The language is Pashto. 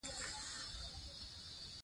لوگر د افغانستان د سیلګرۍ برخه ده.